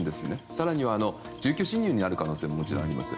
更には、住居侵入になる可能性ももちろんあります。